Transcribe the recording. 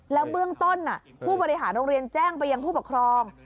แล้วเบื้องต้นผู้บริหารโรงเรียนแจ้งไปยังผู้ปกครอง